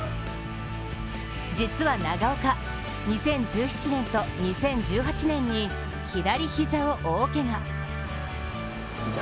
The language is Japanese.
実は長岡、２０１７年と２０１８年に左膝を大けが。